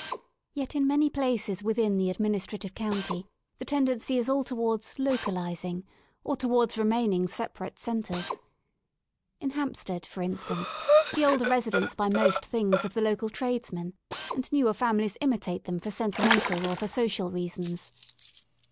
Yet in many places within the Administrative County the tendency is all towards "localising," or towards remaining separate centres. In Hampstead, for in stance, the older residents buy most things of the local tradesmen, and newer families imitate them for senti mental or for social reasons.